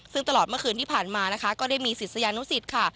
ซึ่งตลอดเมื่อคืนที่ผ่านมานะคะก็ได้มีศิษยานุสิตค่ะ